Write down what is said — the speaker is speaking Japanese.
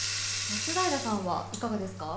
松平さんは、いかがですか？